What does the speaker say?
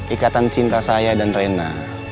ikatan cinta saya dan rena